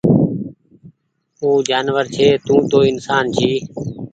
او جآنور ڇي توُن تو انسآن ڇي